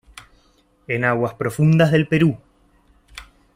En aguas profundas del Perú.